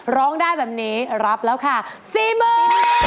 ร้องได้แบบนี้รับแล้วค่ะ๔๐๐๐บาท